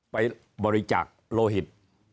ไปบริจาคโลหิต